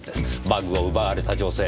バッグを奪われた女性。